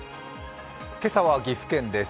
今朝は岐阜県です。